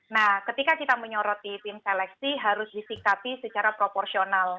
nah ketika kita menyoroti tim seleksi harus disikapi secara proporsional